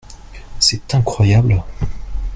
C'est incroyable !